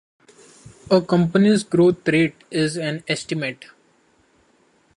A company's growth rate is an estimate.